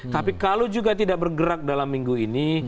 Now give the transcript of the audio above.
tapi kalau juga tidak bergerak dalam minggu ini